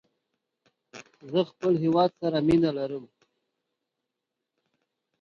هره ورځ د نوي بدلون زېری لري